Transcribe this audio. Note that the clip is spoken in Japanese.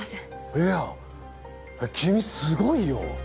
いや君すごいよ。